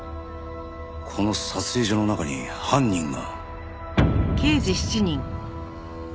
この撮影所の中に犯人が。